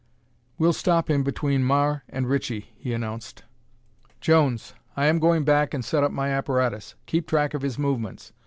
"We'll stop him between Marr and Ritchie," he announced. "Jones, I am going back and set up my apparatus. Keep track of his movements.